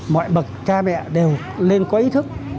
mọi bậc cha mẹ đều lên có ý thức